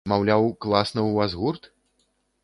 Маўляў, класны ў вас гурт?